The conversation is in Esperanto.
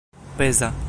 peza